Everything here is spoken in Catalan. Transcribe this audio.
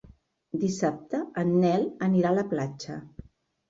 Dissabte en Nel anirà a la platja.